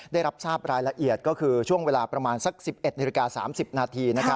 ได้รับทราบรายละเอียดก็คือช่วงเวลาประมาณสัก๑๑นาฬิกา๓๐นาที